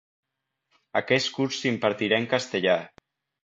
Aquest curs s'impartirà en castellà.